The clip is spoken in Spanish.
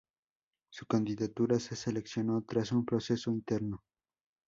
Su candidatura se seleccionó tras un proceso interno.